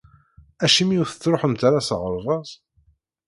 Acimi ur tettruḥumt ara s aɣerbaz?